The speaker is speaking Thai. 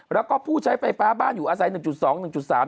แล้วก็ผู้ใช้ไฟฟ้าบ้านอยู่อาศัยประเภท๑๒ประเภท๑๓